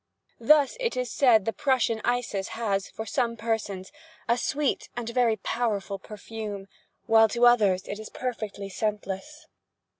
Thus it is said the Prussian Isis has, for some persons, a sweet and very powerful perfume, while to others it is perfectly scentless.